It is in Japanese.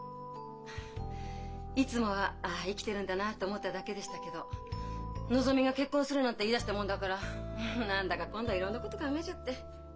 いつもは「ああ生きてるんだなあ」と思っただけでしたけどのぞみが結婚するなんて言いだしたもんだから何だか今度はいろんなこと考えちゃって。